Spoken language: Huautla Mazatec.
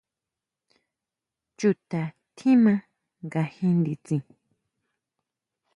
¿Chuta tjiman ngajin nditsin?